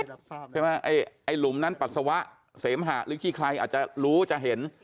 ใช่ไหมไอ้หลุมนั้นปัสสาวะเสมหะหรือที่ใครอาจจะรู้จะเห็น